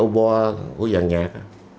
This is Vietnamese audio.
của giàn nhạc